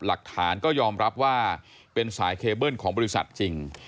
หลักฐานก็ยอมรับว่าเป็นสายเคเบิ้ลของบริษัทจริง